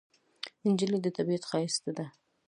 نجلۍ د طبیعت ښایست ده.